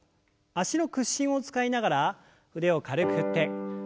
脚の屈伸を使いながら腕を軽く振って。